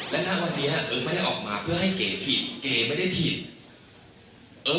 อย่าที่ยากคุดเลย